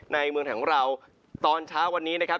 เมืองไทยของเราตอนเช้าวันนี้นะครับ